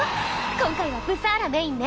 今回はブサーラメインね。